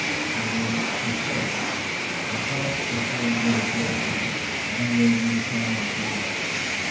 He reached his office, and passed the whole day gaping, and awaiting the time to leave.